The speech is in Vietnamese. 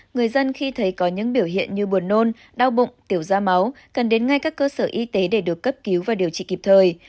người dân khi thấy có những biểu hiện như buồn nôn đau bụng tiểu ra máu cần đến ngay các cơ sở y tế để được cấp cứu và điều trị kịp thời